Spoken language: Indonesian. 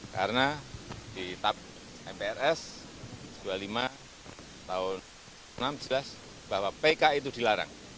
karena di tahap mprs nomor dua puluh lima tahun seribu sembilan ratus enam puluh enam jelas bahwa pki itu dilarang